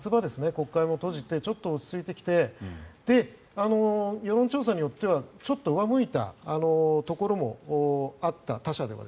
国会も閉じてちょっと落ち着いてきて世論調査によってはちょっと上向いたところもあった、他社では。